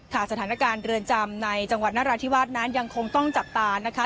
สถานการณ์เรือนจำในจังหวัดนราธิวาสนั้นยังคงต้องจับตานะคะ